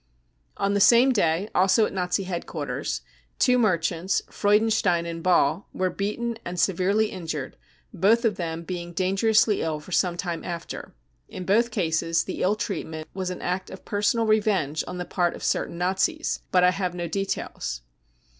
On the same day, also at the Nazi headquarters, two merchants, Freudenstein and Ball, were beaten and severely injured, both of them being dangerously ill for some time after. In both cases the ill treatment was an act of personal revenge on the part of certain Nazis, but I have no details.